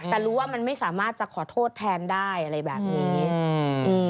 แต่รู้ว่ามันไม่สามารถจะขอโทษแทนได้อะไรแบบนี้อืม